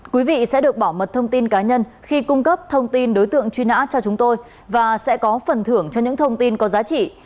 quý vị sẽ được bảo mật thông tin cá nhân khi cung cấp thông tin đối tượng truy nã cho chúng tôi và sẽ có phần thưởng cho những thông tin có giá trị